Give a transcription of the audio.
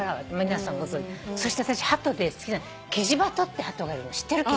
そして私ハトで好きなキジバトってハトがいるの知ってる？